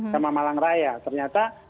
sama malang raya ternyata